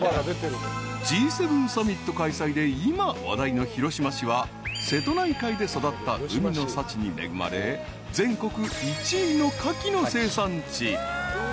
［Ｇ７サミット開催で今話題の広島市は瀬戸内海で育った海の幸に恵まれ全国１位のかきの生産地］